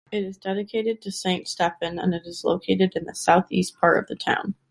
It is dedicated to Saint Stephen, and it is located in the southeast part of the town.